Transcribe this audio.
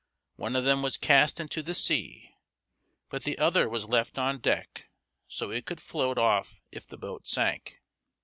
One of them was cast into the sea, but the other was left on deck, so it could float off if the boat sank.